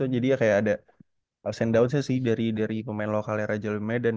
jadi ya kayak ada send downs nya sih dari pemain lokalnya raja wulimedan